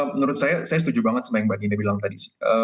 menurut saya saya setuju banget sama yang mbak gina bilang tadi sih